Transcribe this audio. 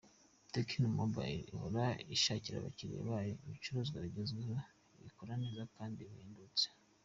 Tecno Mobile ihora ishakira abakiliya bayo ibicuruzwa bigezweho, bikora neza kandi bihendutse.